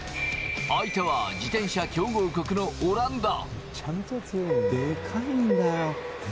相手は自転車強豪国のオランダ。